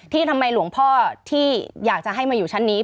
ทำไมหลวงพ่อที่อยากจะให้มาอยู่ชั้นนี้